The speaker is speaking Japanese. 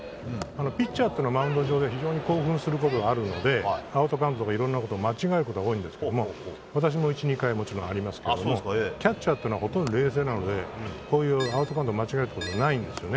ピッチャーっていうのはマウンド上で非常に興奮することが多いのでアウトカウントとかいろんなことを間違えることが多いんですけど私も１２回ありますけどキャッチャーって冷静なのでアウトカウントを間違えることはないんですよね。